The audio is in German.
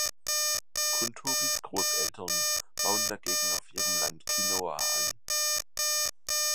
Kunturis Großeltern bauen dagegen auf ihrem Land Quinoa an.